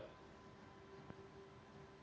masih jauh dari itu ya dok